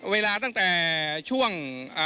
เวลาตั้งแต่ช่วง